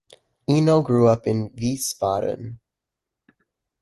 Eno grew up in Wiesbaden.